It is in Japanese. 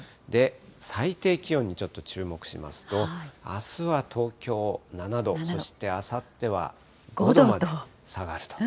最低気温にちょっと注目しますと、あすは東京７度、そしてあさっては５度まで下がると。